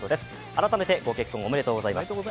改めてご結婚おめでとうございます。